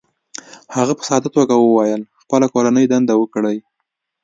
هغې په ساده توګه وویل: "خپله کورنۍ دنده وکړئ،